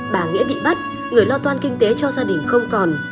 bà nghĩa bị bắt người lo toan kinh tế cho gia đình không còn